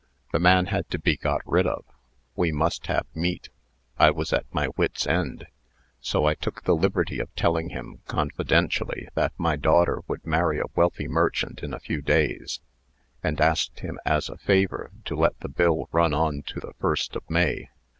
"The man had to be got rid of. We must have meat. I was at my wits' end. So I took the liberty of telling him, confidentially, that my daughter would marry a wealthy merchant in a few days, and asked him, as a favor, to let the bill run on to the 1st of May.